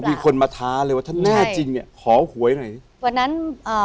พี่บอกมีคนมาท้าเลยว่าถ้าแน่จริงเนี้ยขอหวยไงวันนั้นอ่า